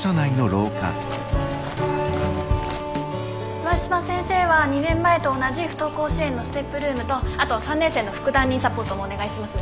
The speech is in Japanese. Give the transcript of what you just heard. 上嶋先生は２年前と同じ不登校支援のＳＴＥＰルームとあとは３年生の副担任サポートもお願いしますね。